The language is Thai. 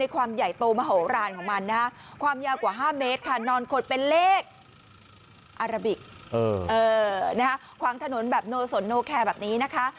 ขวางถนนแบบโนสนโนแครแบบนี้นะคะ